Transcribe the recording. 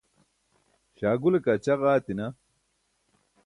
śaagule kaa ćaġa aatina